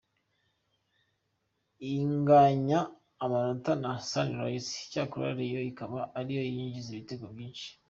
Inganya amanota na Sunrise cyakora Rayons ikaba ari yo yinjije ibitego byinshi.